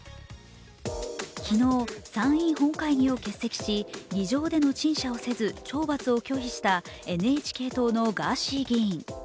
昨日、参院本会議を欠席し、議場での陳謝をせず、懲罰を拒否したＮＨＫ党のガーシー議員。